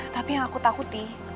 tapi yang aku takuti